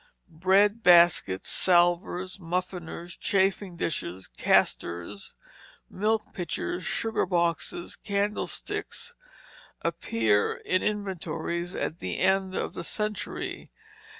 Bread baskets, salvers, muffineers, chafing dishes, casters, milk pitchers, sugar boxes, candlesticks, appear in inventories at the end of the century.